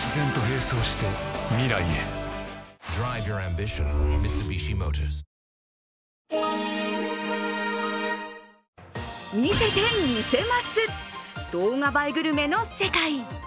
大決算フェア見せて見せます、動画映えグルメの世界。